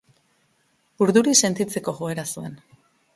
Urduri sentitzeko joera zuen.